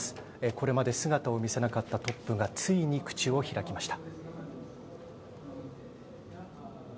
これまで姿を見せなかったトップがついに口を開きました。